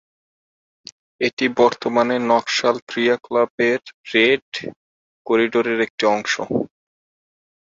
এটি বর্তমানে নকশাল ক্রিয়াকলাপের রেড করিডোরের একটি অংশ।